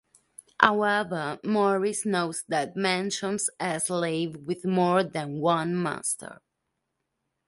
However, Morris notes that mentions a slave with more than one master.